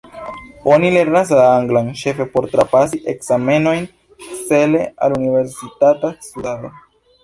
Oni lernas la anglan ĉefe por trapasi ekzamenojn cele al universitata studado.